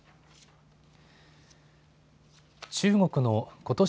中国のことし